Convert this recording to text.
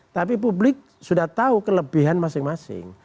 tapi publik sudah tahu kelebihan masing masing